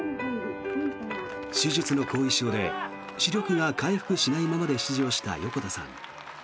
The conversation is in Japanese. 手術の後遺症で視力が回復しないままで出場した横田さん。